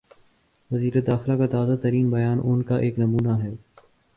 وزیر داخلہ کا تازہ ترین بیان اس کا ایک نمونہ ہے۔